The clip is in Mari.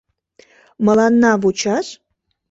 — Мыланна вучаш?